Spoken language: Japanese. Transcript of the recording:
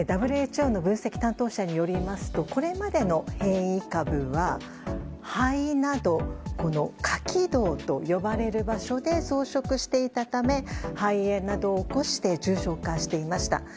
ＷＨＯの分析担当者によりますとこれまでの変異株は肺など下気道と呼ばれる場所で増殖していたため肺炎などを起こして重症化していました。